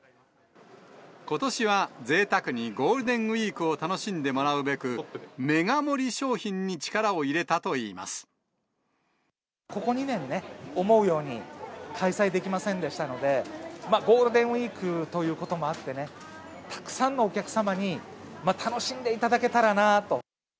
ことしはぜいたくにゴールデンウィークを楽しんでもらうために、メガ盛り商品に力を入れたとここ２年、思うように開催できませんでしたので、ゴールデンウィークということもあってね、たくさんのお客様に楽しんでいただけたらなと。